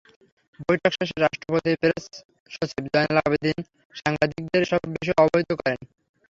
বৈঠক শেষে রাষ্ট্রপতির প্রেস সচিব জয়নাল আবেদিন সাংবাদিকদের এসব বিষয়ে অবহিত করেন।